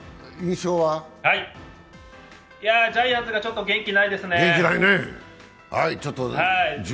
ジャイアンツがちょっと元気ないですね。